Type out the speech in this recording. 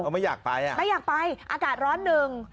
ไม่อยากไปอากาศร้อนหนึ่ง